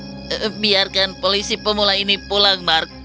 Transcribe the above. ayo biarkan polisi pemula ini pulang mark